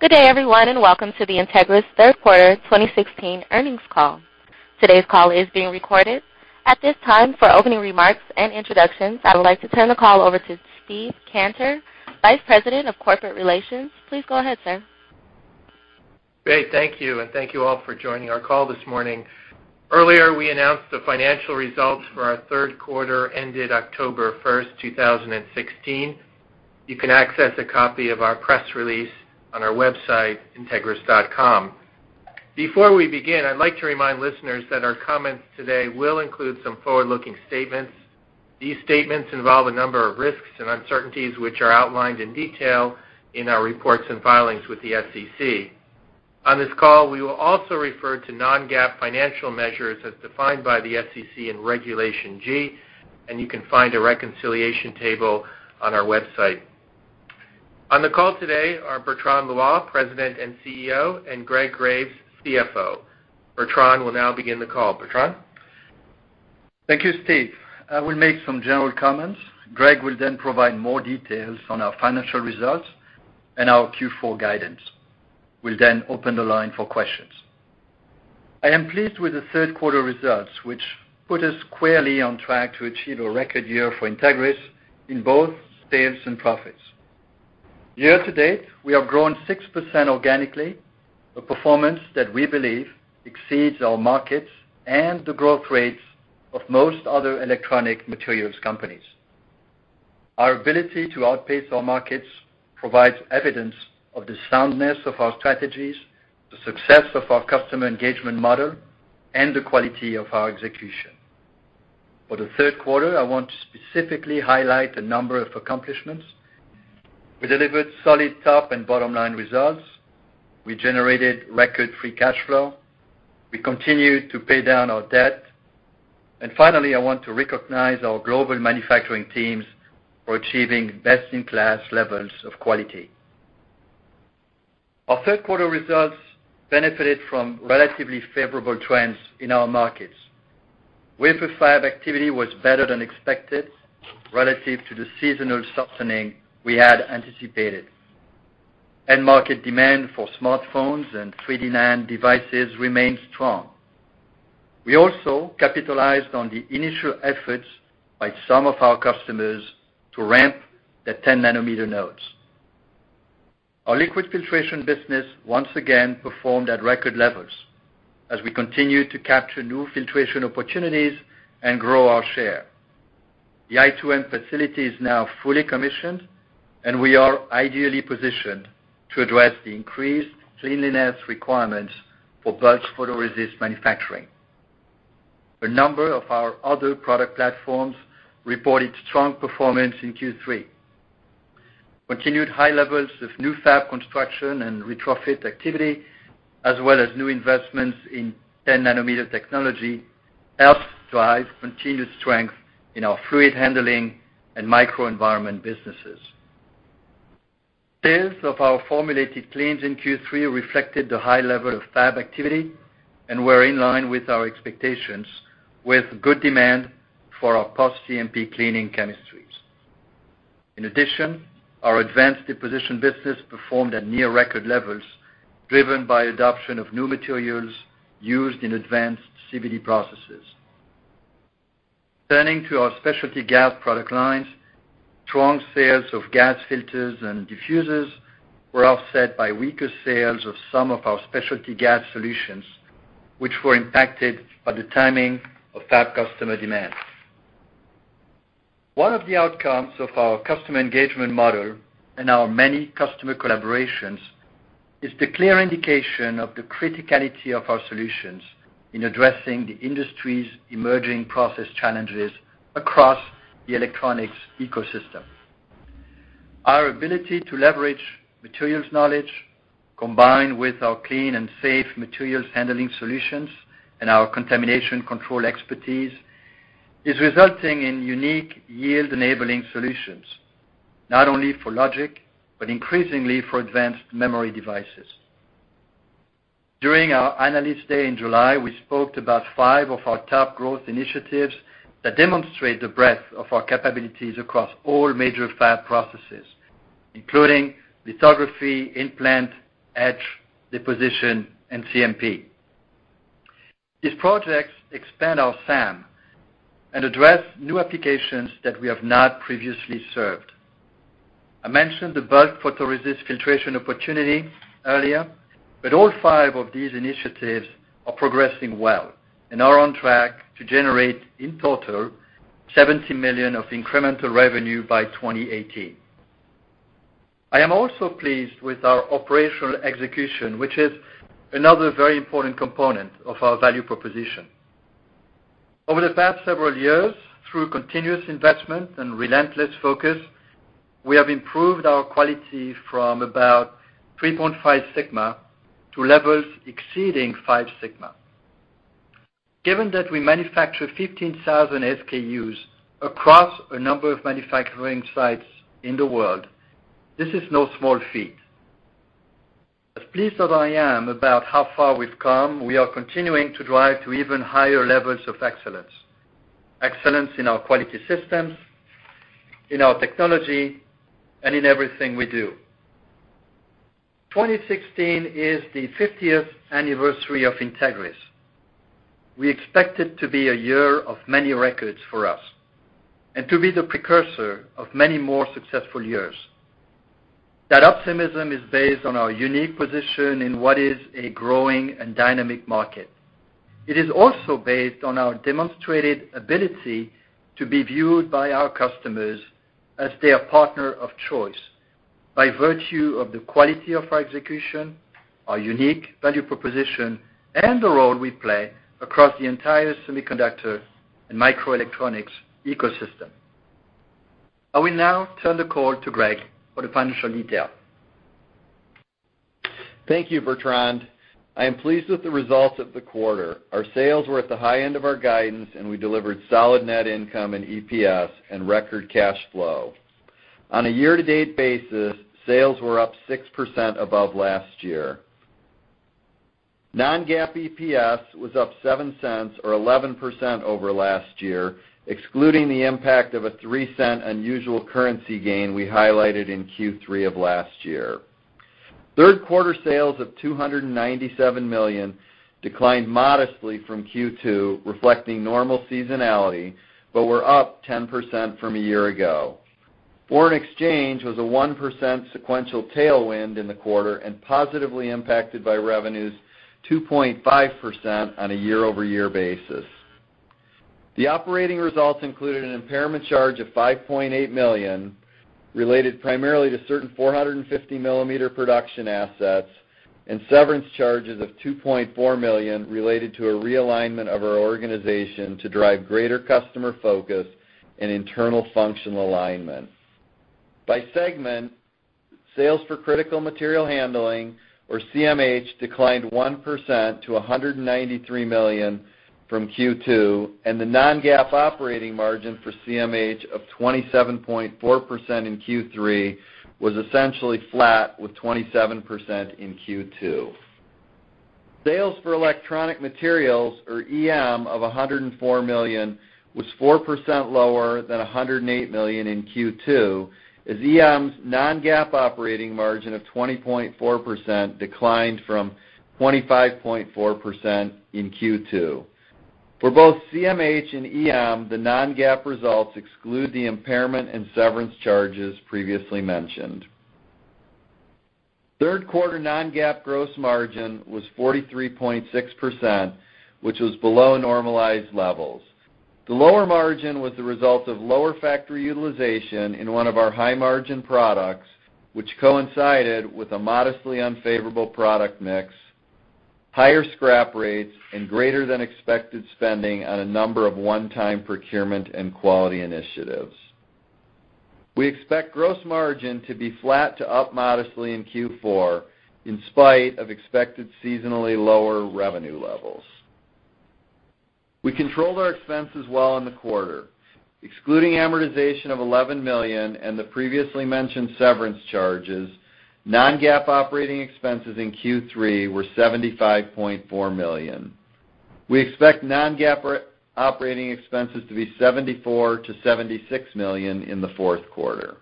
Good day everyone, and welcome to the Entegris third quarter 2016 earnings call. Today's call is being recorded. At this time, for opening remarks and introductions, I would like to turn the call over to Steve Cantor, Vice President of Corporate Relations. Please go ahead, sir. Great. Thank you. Thank you all for joining our call this morning. Earlier, we announced the financial results for our third quarter ended October 1st, 2016. You can access a copy of our press release on our website, entegris.com. Before we begin, I'd like to remind listeners that our comments today will include some forward-looking statements. These statements involve a number of risks and uncertainties, which are outlined in detail in our reports and filings with the SEC. On this call, we will also refer to non-GAAP financial measures as defined by the SEC in Regulation G, and you can find a reconciliation table on our website. On the call today are Bertrand Loy, President and CEO, and Greg Graves, CFO. Bertrand will now begin the call. Bertrand? Thank you, Steve. I will make some general comments. Greg will provide more details on our financial results and our Q4 guidance. We'll open the line for questions. I am pleased with the third quarter results, which put us squarely on track to achieve a record year for Entegris in both sales and profits. Year to date, we have grown 6% organically, a performance that we believe exceeds our markets and the growth rates of most other electronic materials companies. Our ability to outpace our markets provides evidence of the soundness of our strategies, the success of our customer engagement model, and the quality of our execution. For the third quarter, I want to specifically highlight a number of accomplishments. We delivered solid top and bottom-line results. We generated record free cash flow. We continued to pay down our debt. Finally, I want to recognize our global manufacturing teams for achieving best-in-class levels of quality. Our third quarter results benefited from relatively favorable trends in our markets. Wafer fab activity was better than expected relative to the seasonal softening we had anticipated. End market demand for smartphones and 3D NAND devices remained strong. We also capitalized on the initial efforts by some of our customers to ramp the 10 nanometer nodes. Our liquid filtration business once again performed at record levels as we continue to capture new filtration opportunities and grow our share. The i2M facility is now fully commissioned, and we are ideally positioned to address the increased cleanliness requirements for bulk photoresist manufacturing. A number of our other product platforms reported strong performance in Q3. Continued high levels of new fab construction and retrofit activity, as well as new investments in 10 nanometer technology, helped drive continued strength in our fluid handling and microenvironment businesses. Sales of our formulated cleans in Q3 reflected the high level of fab activity and were in line with our expectations with good demand for our post-CMP cleaning chemistries. In addition, our advanced deposition business performed at near record levels, driven by adoption of new materials used in advanced CVD processes. Turning to our specialty gas product lines, strong sales of gas filters and diffusers were offset by weaker sales of some of our specialty gas solutions, which were impacted by the timing of fab customer demand. One of the outcomes of our customer engagement model and our many customer collaborations is the clear indication of the criticality of our solutions in addressing the industry's emerging process challenges across the electronics ecosystem. Our ability to leverage materials knowledge, combined with our clean and safe materials handling solutions and our contamination control expertise, is resulting in unique yield-enabling solutions, not only for logic, but increasingly for advanced memory devices. During our Analyst Day in July, we spoke about five of our top growth initiatives that demonstrate the breadth of our capabilities across all major fab processes, including lithography, implant, etch, deposition, and CMP. These projects expand our TAM and address new applications that we have not previously served. I mentioned the bulk photoresist filtration opportunity earlier, all five of these initiatives are progressing well and are on track to generate, in total, $70 million of incremental revenue by 2018. I am also pleased with our operational execution, which is another very important component of our value proposition. Over the past several years, through continuous investment and relentless focus, we have improved our quality from about 3.5 sigma to levels exceeding five sigma. Given that we manufacture 15,000 SKUs across a number of manufacturing sites in the world, this is no small feat. As pleased as I am about how far we've come, we are continuing to drive to even higher levels of excellence in our quality systems, in our technology and in everything we do. 2016 is the 50th anniversary of Entegris. We expect it to be a year of many records for us and to be the precursor of many more successful years. That optimism is based on our unique position in what is a growing and dynamic market. It is also based on our demonstrated ability to be viewed by our customers as their partner of choice, by virtue of the quality of our execution, our unique value proposition, and the role we play across the entire semiconductor and microelectronics ecosystem. I will now turn the call to Greg for the financial detail. Thank you, Bertrand. I am pleased with the results of the quarter. Our sales were at the high end of our guidance. We delivered solid net income and EPS and record cash flow. On a year-to-date basis, sales were up 6% above last year. Non-GAAP EPS was up $0.07 or 11% over last year, excluding the impact of a $0.03 unusual currency gain we highlighted in Q3 of last year. Third quarter sales of $297 million declined modestly from Q2, reflecting normal seasonality. Sales were up 10% from a year ago. Foreign exchange was a 1% sequential tailwind in the quarter. It positively impacted revenues 2.5% on a year-over-year basis. The operating results included an impairment charge of $5.8 million, related primarily to certain 450-millimeter production assets. Severance charges of $2.4 million related to a realignment of our organization to drive greater customer focus and internal functional alignment. By segment, sales for Critical Material Handling, or CMH, declined 1% to $193 million from Q2. The non-GAAP operating margin for CMH of 27.4% in Q3 was essentially flat with 27% in Q2. Sales for Electronic Materials, or EM, of $104 million was 4% lower than $108 million in Q2. EM's non-GAAP operating margin of 20.4% declined from 25.4% in Q2. For both CMH and EM, the non-GAAP results exclude the impairment and severance charges previously mentioned. Third quarter non-GAAP gross margin was 43.6%, which was below normalized levels. The lower margin was the result of lower factory utilization in one of our high-margin products. It coincided with a modestly unfavorable product mix, higher scrap rates, and greater than expected spending on a number of one-time procurement and quality initiatives. We expect gross margin to be flat to up modestly in Q4 in spite of expected seasonally lower revenue levels. We controlled our expenses well in the quarter. Excluding amortization of $11 million, the previously mentioned severance charges, non-GAAP operating expenses in Q3 were $75.4 million. We expect non-GAAP operating expenses to be $74 million-$76 million in the fourth quarter.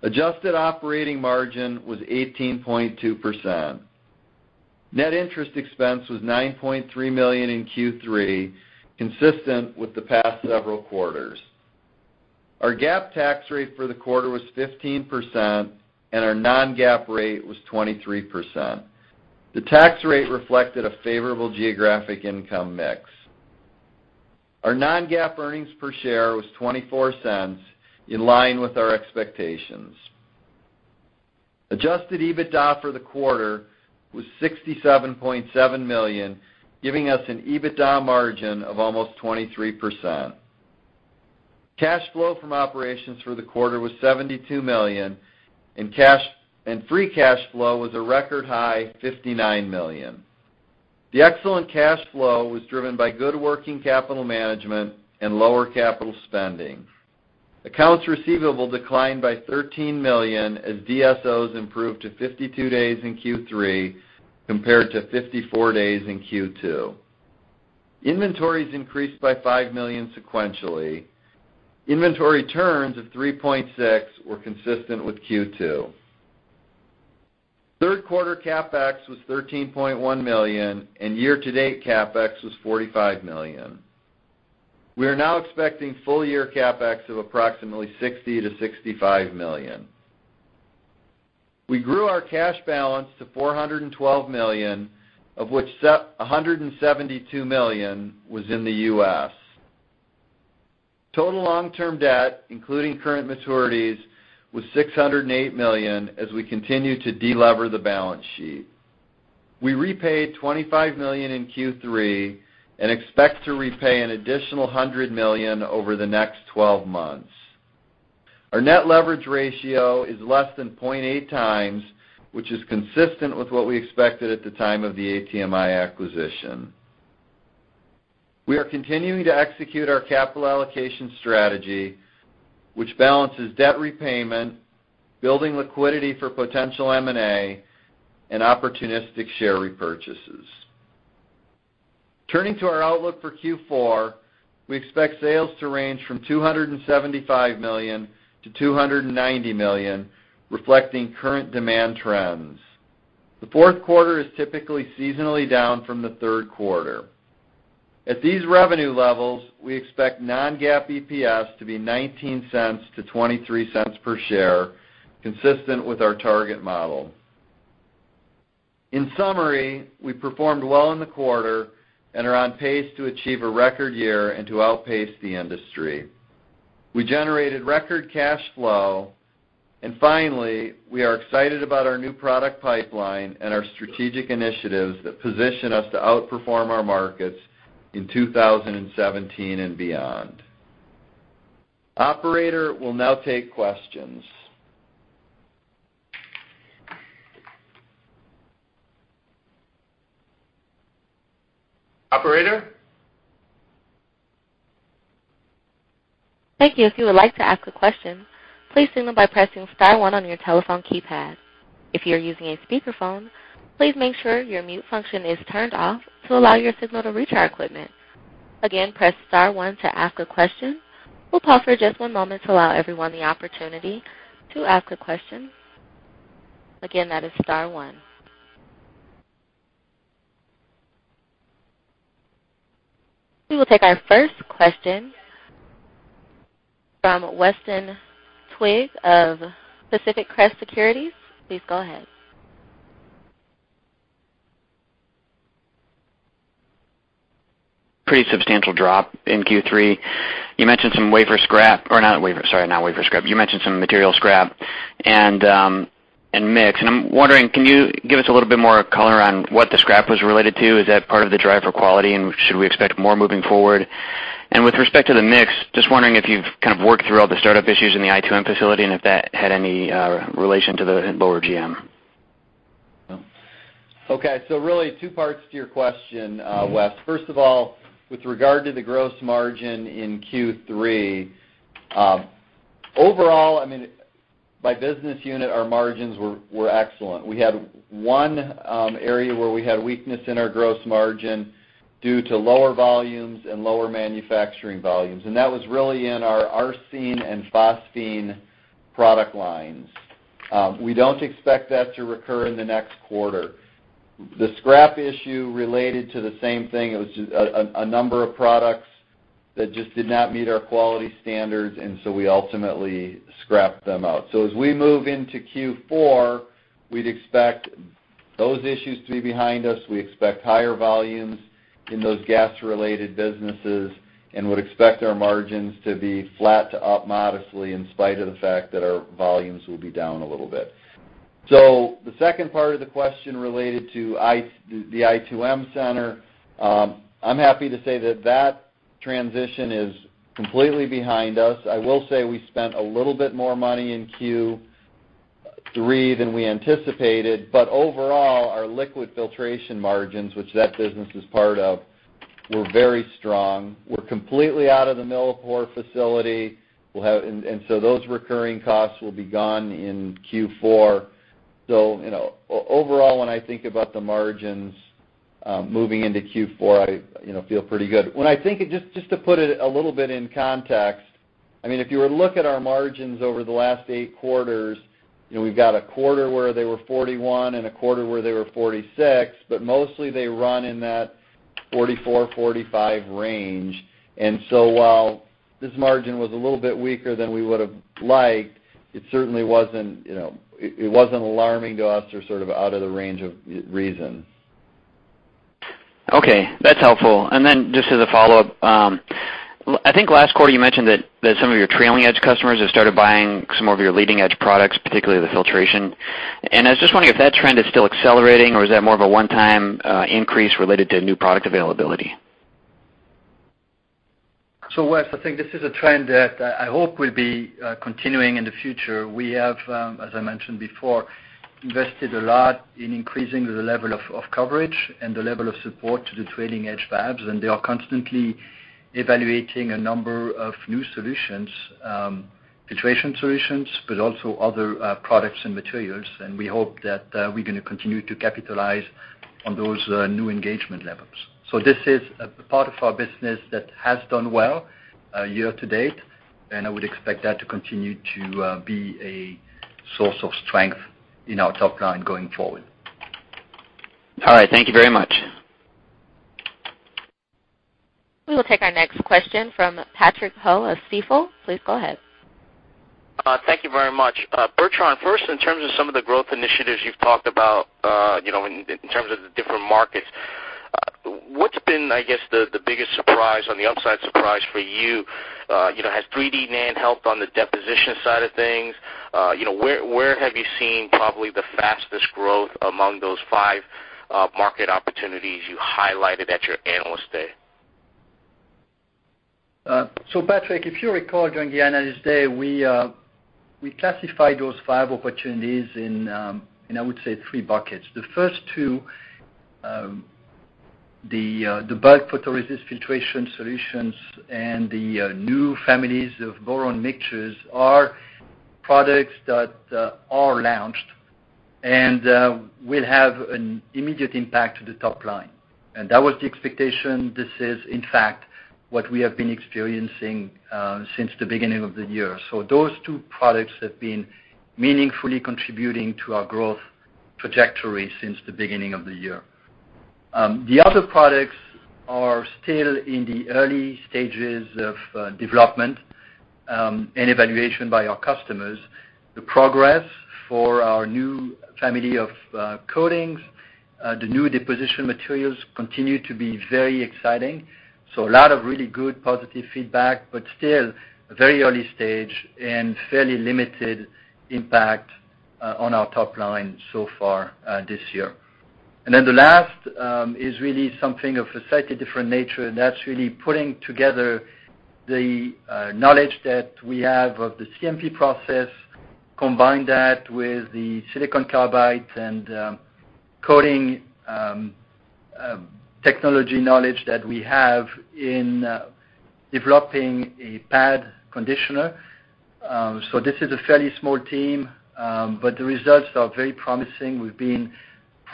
Adjusted operating margin was 18.2%. Net interest expense was $9.3 million in Q3, consistent with the past several quarters. Our GAAP tax rate for the quarter was 15%. Our non-GAAP rate was 23%. The tax rate reflected a favorable geographic income mix. Our non-GAAP earnings per share was $0.24, in line with our expectations. Adjusted EBITDA for the quarter was $67.7 million, giving us an EBITDA margin of almost 23%. Cash flow from operations for the quarter was $72 million. Free cash flow was a record high $59 million. The excellent cash flow was driven by good working capital management and lower capital spending. Accounts receivable declined by $13 million. DSOs improved to 52 days in Q3 compared to 54 days in Q2. Inventories increased by $5 million sequentially. Inventory turns of 3.6 were consistent with Q2. Third quarter CapEx was $13.1 million. Year-to-date CapEx was $45 million. We are now expecting full-year CapEx of approximately $60 million-$65 million. We grew our cash balance to $412 million, of which $172 million was in the U.S. Total long-term debt, including current maturities, was $608 million as we continue to de-lever the balance sheet. We repaid $25 million in Q3 and expect to repay an additional $100 million over the next 12 months. Our net leverage ratio is less than 0.8 times, which is consistent with what we expected at the time of the ATMI acquisition. We are continuing to execute our capital allocation strategy, which balances debt repayment, building liquidity for potential M&A, and opportunistic share repurchases. Turning to our outlook for Q4, we expect sales to range from $275 million-$290 million, reflecting current demand trends. The fourth quarter is typically seasonally down from the third quarter. At these revenue levels, we expect non-GAAP EPS to be $0.19-$0.23 per share, consistent with our target model. In summary, we performed well in the quarter and are on pace to achieve a record year and to outpace the industry. We generated record cash flow. Finally, we are excited about our new product pipeline and our strategic initiatives that position us to outperform our markets in 2017 and beyond. Operator, we'll now take questions. Operator? Thank you. If you would like to ask a question, please signal by pressing star one on your telephone keypad. If you're using a speakerphone, please make sure your mute function is turned off to allow your signal to reach our equipment. Again, press star one to ask a question. We'll pause for just one moment to allow everyone the opportunity to ask a question. Again, that is star one. We will take our first question from Weston Twigg of Pacific Crest Securities. Please go ahead. Pretty substantial drop in Q3. You mentioned some wafer scrap, or not wafer, sorry, not wafer scrap. You mentioned some material scrap and mix. I'm wondering, can you give us a little bit more color on what the scrap was related to? Is that part of the drive for quality, should we expect more moving forward? With respect to the mix, just wondering if you've kind of worked through all the startup issues in the i2M facility and if that had any relation to the lower GM. Okay. Really two parts to your question, Wes. First of all, with regard to the gross margin in Q3, overall, by business unit, our margins were excellent. We had one area where we had weakness in our gross margin due to lower volumes and lower manufacturing volumes, and that was really in our Arsine and Phosphine product lines. We don't expect that to recur in the next quarter. The scrap issue related to the same thing. It was a number of products that just did not meet our quality standards, we ultimately scrapped them out. As we move into Q4, we'd expect those issues to be behind us. We expect higher volumes in those gas-related businesses and would expect our margins to be flat to up modestly, in spite of the fact that our volumes will be down a little bit. The second part of the question related to the i2M center, I'm happy to say that that transition is completely behind us. I will say we spent a little bit more money in Q3 than we anticipated, but overall, our liquid filtration margins, which that business is part of, were very strong. We're completely out of the Millipore facility, those recurring costs will be gone in Q4. Overall, when I think about the margins, moving into Q4, I feel pretty good. Just to put it a little bit in context, if you were to look at our margins over the last eight quarters, we've got a quarter where they were 41% and a quarter where they were 46%, but mostly they run in that 44%, 45% range. While this margin was a little bit weaker than we would've liked, it certainly wasn't alarming to us or sort of out of the range of reason. Okay, that's helpful. Just as a follow-up, I think last quarter you mentioned that some of your trailing edge customers have started buying some more of your leading-edge products, particularly the filtration. I was just wondering if that trend is still accelerating, or is that more of a one-time increase related to new product availability? Wes, I think this is a trend that I hope will be continuing in the future. We have, as I mentioned before, invested a lot in increasing the level of coverage and the level of support to the trailing edge fabs, and they are constantly evaluating a number of new solutions. Filtration solutions, but also other products and materials, and we hope that we're going to continue to capitalize on those new engagement levels. This is a part of our business that has done well year to date, and I would expect that to continue to be a source of strength in our top line going forward. All right. Thank you very much. We will take our next question from Patrick Ho of Stifel. Please go ahead. Thank you very much. Bertrand, first, in terms of some of the growth initiatives you've talked about, in terms of the different markets, what's been the biggest surprise on the upside surprise for you? Has 3D NAND helped on the deposition side of things? Where have you seen probably the fastest growth among those five market opportunities you highlighted at your Analyst Day? Patrick, if you recall during the Analyst Day, we classified those five opportunities in, I would say, three buckets. The first two, the bulk photoresist filtration solutions and the new families of boron mixtures, are products that are launched and will have an immediate impact to the top line. That was the expectation. This is, in fact, what we have been experiencing since the beginning of the year. Those two products have been meaningfully contributing to our growth trajectory since the beginning of the year. The other products are still in the early stages of development and evaluation by our customers. The progress for our new family of coatings, the new deposition materials continue to be very exciting. A lot of really good positive feedback, but still very early stage and fairly limited impact on our top line so far this year. The last is really something of a slightly different nature, and that's really putting together the knowledge that we have of the CMP process, combine that with the silicon carbide and coating technology knowledge that we have in developing a pad conditioner. This is a fairly small team, but the results are very promising. We've been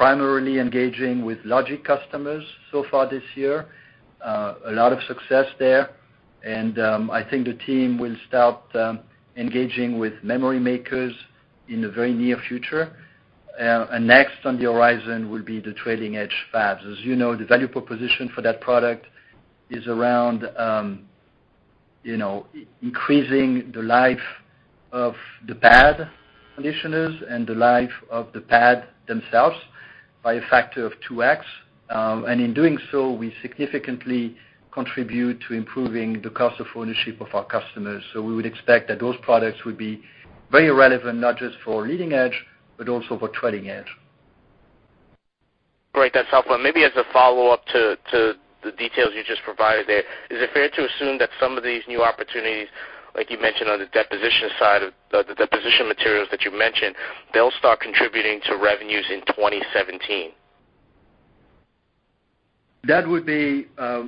primarily engaging with logic customers so far this year. A lot of success there. I think the team will start engaging with memory makers in the very near future. Next on the horizon will be the trailing edge fabs. As you know, the value proposition for that product is around increasing the life of the pad conditioners and the life of the pad themselves by a factor of 2x. In doing so, we significantly contribute to improving the cost of ownership of our customers. We would expect that those products would be very relevant, not just for leading edge, but also for trailing edge. Great. That's helpful. Maybe as a follow-up to the details you just provided there, is it fair to assume that some of these new opportunities, like you mentioned on the deposition materials that you mentioned, they'll start contributing to revenues in 2017? That would be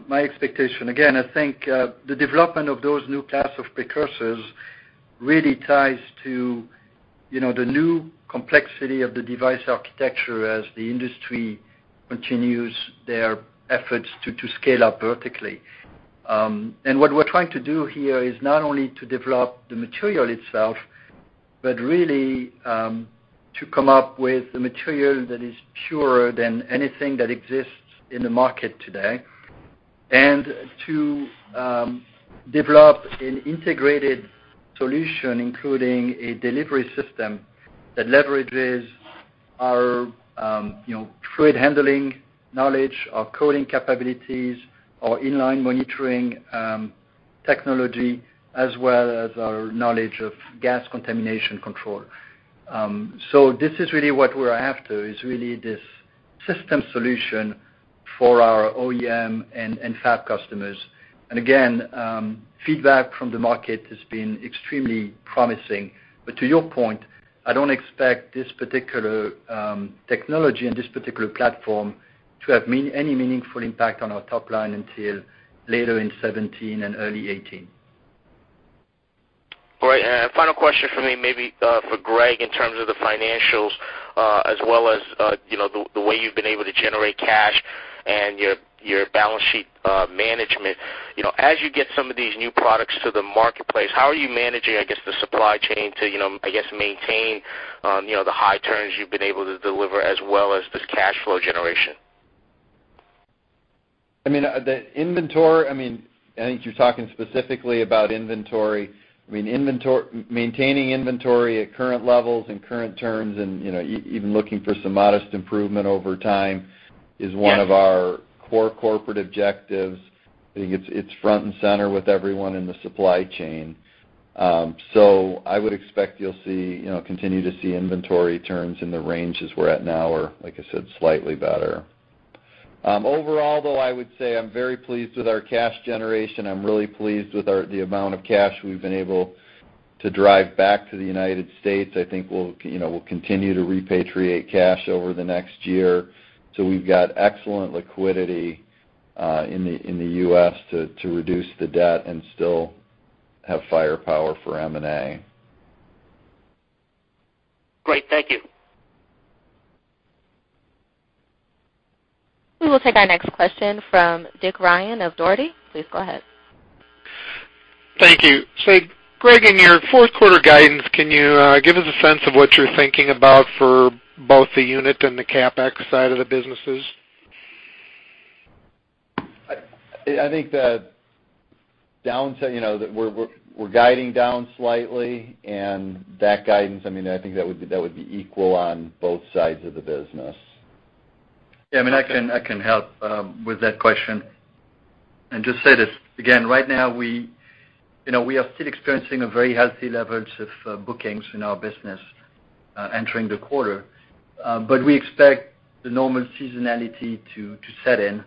my expectation. Again, I think, the development of those new class of precursors really ties to the new complexity of the device architecture as the industry continues their efforts to scale up vertically. What we're trying to do here is not only to develop the material itself, but really to come up with a material that is purer than anything that exists in the market today, and to develop an integrated solution, including a delivery system that leverages our fluid handling knowledge, our coating capabilities, our in-line monitoring technology, as well as our knowledge of gas contamination control. This is really what we're after, is really this system solution for our OEM and fab customers. Again, feedback from the market has been extremely promising. To your point, I don't expect this particular technology and this particular platform to have any meaningful impact on our top line until later in 2017 and early 2018. All right. Final question for me, maybe for Greg, in terms of the financials, as well as the way you've been able to generate cash and your balance sheet management. As you get some of these new products to the marketplace, how are you managing, I guess, the supply chain to maintain the high turns you've been able to deliver as well as this cash flow generation? I think you're talking specifically about inventory. Maintaining inventory at current levels and current turns and even looking for some modest improvement over time is one of our core corporate objectives. I think it's front and center with everyone in the supply chain. I would expect you'll continue to see inventory turns in the ranges we're at now or, like I said, slightly better. Overall, though, I would say I'm very pleased with our cash generation. I'm really pleased with the amount of cash we've been able to drive back to the U.S. I think we'll continue to repatriate cash over the next year. We've got excellent liquidity in the U.S. to reduce the debt and still have firepower for M&A. Great. Thank you. We will take our next question from Dick Ryan of Dougherty. Please go ahead. Thank you. Greg, in your fourth quarter guidance, can you give us a sense of what you're thinking about for both the unit and the CapEx side of the businesses? I think that we're guiding down slightly and that guidance, I think that would be equal on both sides of the business. Yeah, I can help with that question. Just say this, again, right now we are still experiencing very healthy levels of bookings in our business entering the quarter. We expect the normal seasonality to set in,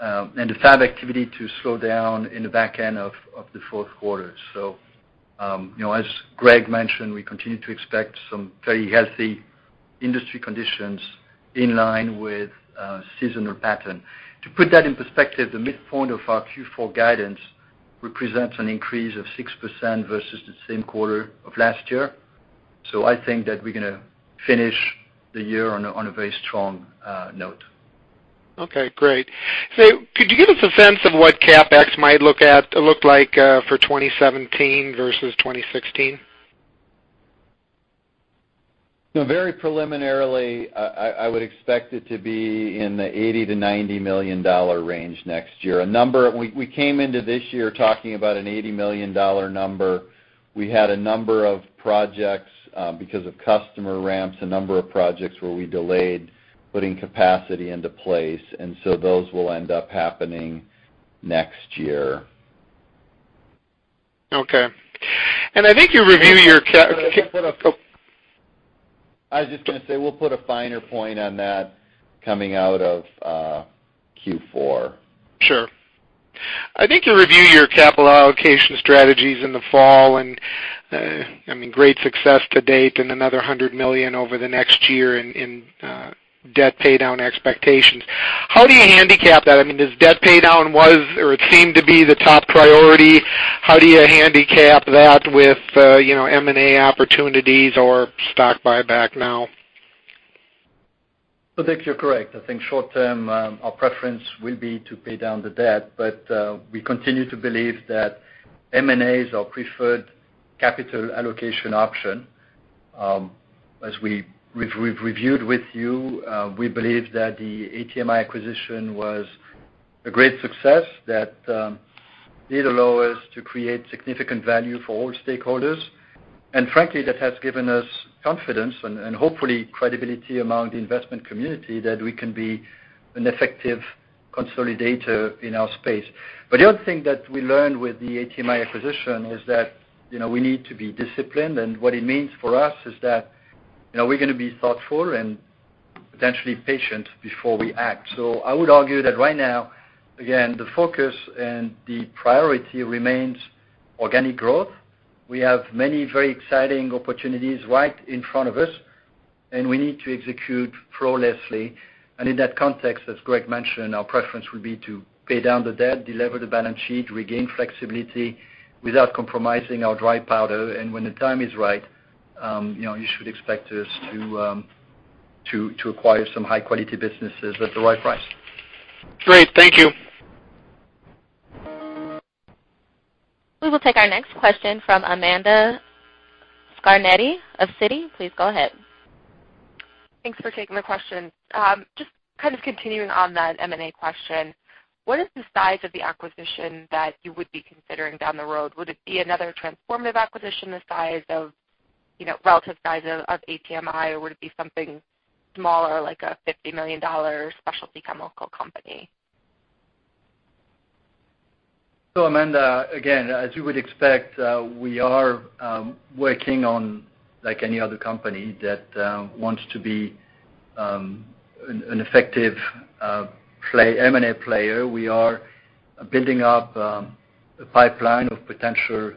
and the fab activity to slow down in the back end of the fourth quarter. As Greg mentioned, we continue to expect some very healthy industry conditions in line with seasonal pattern. To put that in perspective, the midpoint of our Q4 guidance Represent an increase of 6% versus the same quarter of last year. I think that we're going to finish the year on a very strong note. Okay, great. Could you give us a sense of what CapEx might look like for 2017 versus 2016? Very preliminarily, I would expect it to be in the $80 million-$90 million range next year. We came into this year talking about an $80 million number. We had a number of projects, because of customer ramps, a number of projects where we delayed putting capacity into place, those will end up happening next year. Okay. I think you review your I was just going to say, we'll put a finer point on that coming out of Q4. Sure. I think you review your capital allocation strategies in the fall, great success to date, another $100 million over the next year in debt paydown expectations. How do you handicap that? This debt paydown was, or it seemed to be, the top priority. How do you handicap that with M&A opportunities or stock buyback now? I think you're correct. I think short term, our preference will be to pay down the debt. We continue to believe that M&A is our preferred capital allocation option. As we've reviewed with you, we believe that the ATMI acquisition was a great success that did allow us to create significant value for all stakeholders. Frankly, that has given us confidence and hopefully credibility among the investment community that we can be an effective consolidator in our space. The other thing that we learned with the ATMI acquisition is that we need to be disciplined, and what it means for us is that we're going to be thoughtful and potentially patient before we act. I would argue that right now, again, the focus and the priority remains organic growth. We have many very exciting opportunities right in front of us, and we need to execute flawlessly. In that context, as Greg mentioned, our preference would be to pay down the debt, delever the balance sheet, regain flexibility without compromising our dry powder. When the time is right, you should expect us to acquire some high-quality businesses at the right price. Great. Thank you. We will take our next question from Amanda Scarnati of Citi. Please go ahead. Thanks for taking the question. Just kind of continuing on that M&A question, what is the size of the acquisition that you would be considering down the road? Would it be another transformative acquisition the relative size of ATMI, or would it be something smaller, like a $50 million specialty chemical company? Amanda, again, as you would expect, we are working on, like any other company that wants to be an effective M&A player. We are building up a pipeline of potential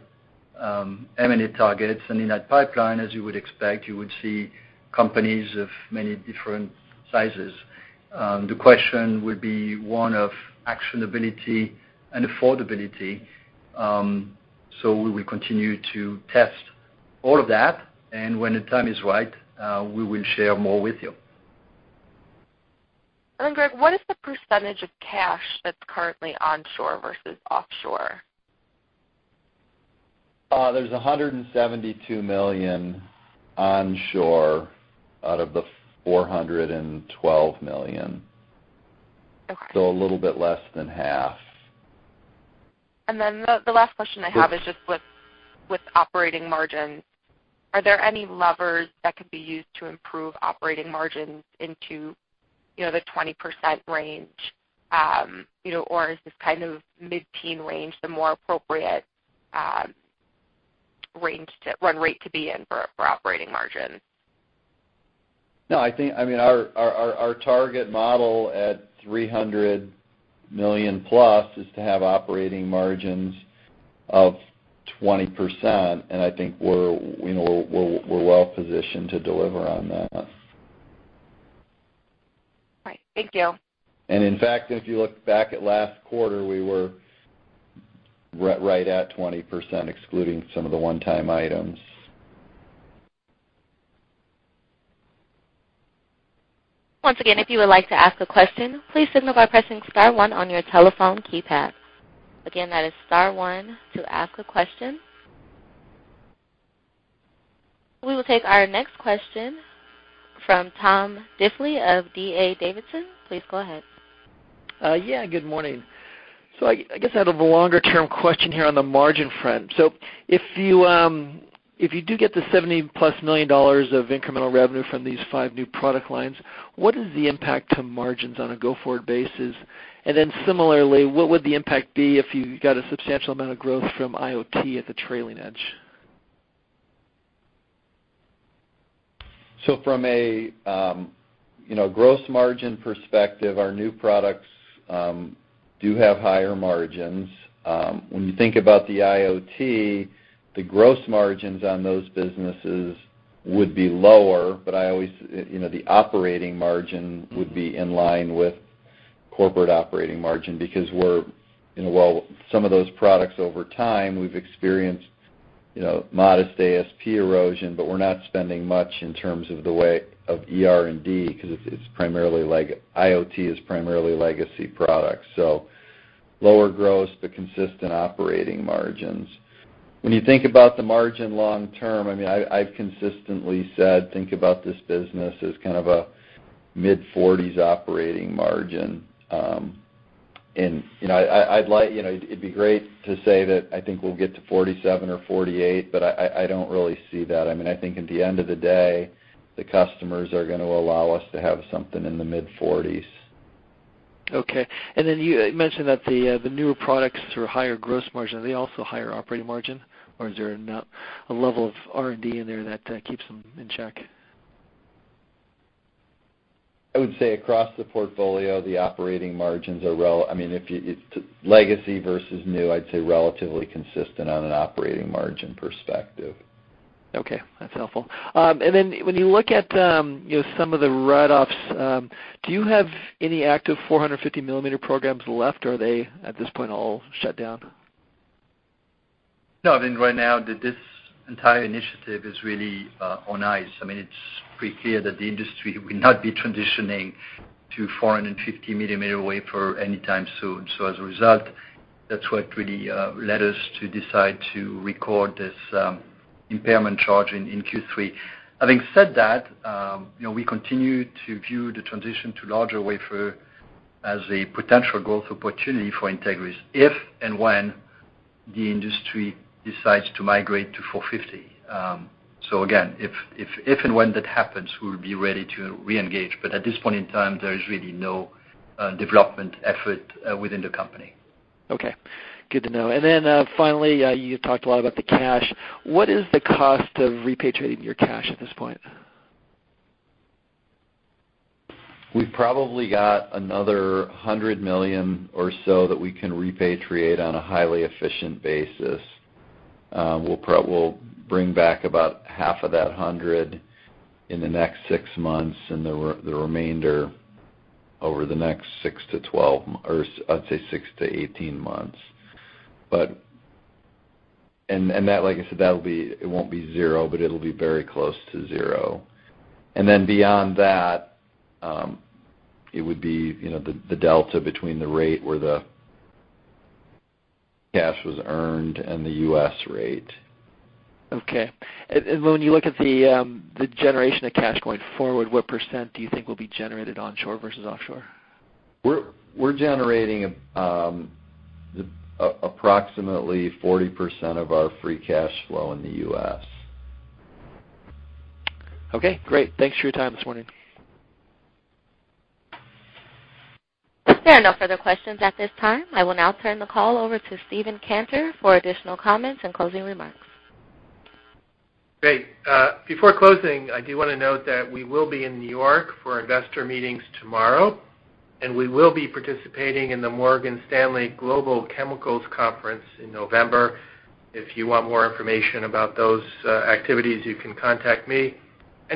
M&A targets. In that pipeline, as you would expect, you would see companies of many different sizes. The question would be one of actionability and affordability. We will continue to test all of that, and when the time is right, we will share more with you. Greg, what is the percentage of cash that's currently onshore versus offshore? There's $172 million onshore out of the $412 million. Okay. A little bit less than half. The last question I have is just with operating margins. Are there any levers that could be used to improve operating margins into the 20% range? Or is this kind of mid-teen range the more appropriate run rate to be in for operating margin? No. Our target model at $300 million-plus is to have operating margins of 20%, and I think we're well positioned to deliver on that. All right. Thank you. In fact, if you look back at last quarter, we were right at 20%, excluding some of the one-time items. Once again, if you would like to ask a question, please signal by pressing star one on your telephone keypad. Again, that is star one to ask a question. We will take our next question from Tom Diffley of D.A. Davidson. Please go ahead. Yeah, good morning. I guess I have a longer-term question here on the margin front. If you do get the $70-plus million of incremental revenue from these five new product lines, what is the impact to margins on a go-forward basis? Similarly, what would the impact be if you got a substantial amount of growth from IoT at the trailing edge? From a gross margin perspective, our new products do have higher margins. When you think about the IoT, the gross margins on those businesses would be lower, but the operating margin would be in line with corporate operating margin because some of those products, over time, we've experienced modest ASP erosion, but we're not spending much in terms of R&D, because IoT is primarily legacy products. Lower gross, but consistent operating margins. When you think about the margin long term, I've consistently said, think about this business as kind of a mid-40s operating margin. It'd be great to say that I think we'll get to 47 or 48, but I don't really see that. I think at the end of the day, the customers are going to allow us to have something in the mid-40s. Okay. You mentioned that the newer products are higher gross margin. Are they also higher operating margin, or is there a level of R&D in there that keeps them in check? I would say across the portfolio, the operating margins are, legacy versus new, I'd say relatively consistent on an operating margin perspective. Okay, that's helpful. When you look at some of the write-offs, do you have any active 450 millimeter programs left, or are they, at this point, all shut down? No, right now, this entire initiative is really on ice. It's pretty clear that the industry will not be transitioning to 450 millimeter wafer anytime soon. As a result, that's what really led us to decide to record this impairment charge in Q3. Having said that, we continue to view the transition to larger wafer as a potential growth opportunity for Entegris if and when the industry decides to migrate to 450. Again, if and when that happens, we'll be ready to re-engage. At this point in time, there is really no development effort within the company. Okay, good to know. Finally, you talked a lot about the cash. What is the cost of repatriating your cash at this point? We've probably got another $100 million or so that we can repatriate on a highly efficient basis. We'll bring back about half of that $100 in the next six months and the remainder over the next six to 18 months. That, like I said, it won't be zero, but it'll be very close to zero. Beyond that, it would be the delta between the rate where the cash was earned and the U.S. rate. Okay. When you look at the generation of cash going forward, what % do you think will be generated onshore versus offshore? We're generating approximately 40% of our free cash flow in the U.S. Okay, great. Thanks for your time this morning. There are no further questions at this time. I will now turn the call over to Steve Cantor for additional comments and closing remarks. Great. Before closing, I do want to note that we will be in New York for investor meetings tomorrow, and we will be participating in the Morgan Stanley Global Chemicals Conference in November. If you want more information about those activities, you can contact me.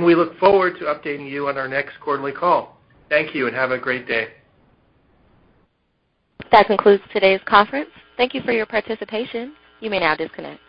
We look forward to updating you on our next quarterly call. Thank you and have a great day. That concludes today's conference. Thank you for your participation. You may now disconnect.